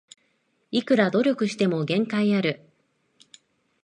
いくら努力しても限界ある